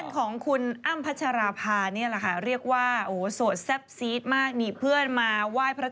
ของเพื่อนด้วย